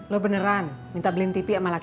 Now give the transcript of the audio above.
lo beneran minta beliin tv mbak